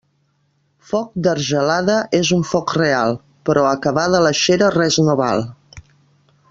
Foc d'argelaga és un foc real, però acabada la xera res no val.